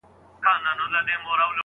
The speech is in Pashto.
که په ټولګي کي املا وویل سي نو نظم راځي.